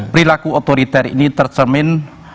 perilaku otoriter ini tercermin